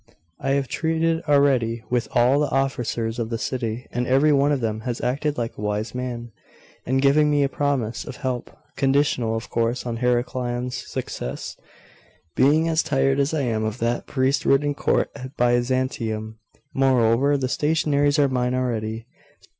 'I have treated already with all the officers of the city, and every one of them has acted like a wise man, and given me a promise of help, conditional of course on Heraclian's success, being as tired as I am of that priest ridden court at Byzantium. Moreover, the stationaries are mine already.